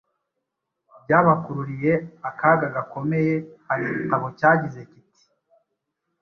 byabakururiye akaga gakomeye Hari igitabo cyagize kiti “